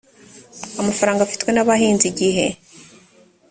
amafaranga afitwe n abahinzi igihe